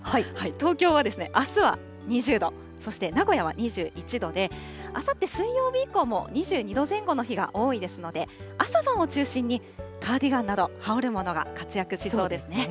東京はあすは２０度、そして名古屋は２１度で、あさって水曜日以降も２２度前後の日が多いですので、朝晩を中心にカーディガンなど羽織るものが活躍しそうですね。